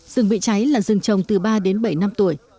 rừng bị cháy là rừng trồng từ ba đến bảy năm tuổi